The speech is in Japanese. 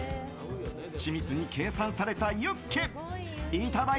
緻密に計算されたユッケ。